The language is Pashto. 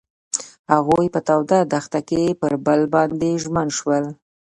هغوی په تاوده دښته کې پر بل باندې ژمن شول.